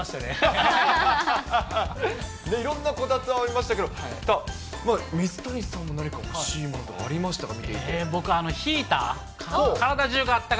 いろんなこたつ、ありましたけど、水谷さん、何か欲しいものとかありましたか？